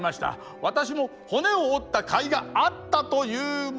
私も骨を折ったかいがあったというものです」。